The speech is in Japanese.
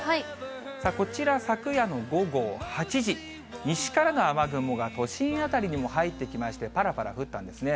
さあ、こちら、昨夜の午後８時、西からの雨雲が都心辺りにも入ってきまして、ぱらぱら降ったんですね。